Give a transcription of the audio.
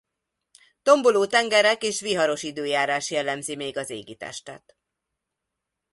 Tomboló tengerek és viharos időjárás jellemzi még az égitestet.